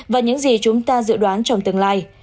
và những gì chúng ta dự đoán trong tương lai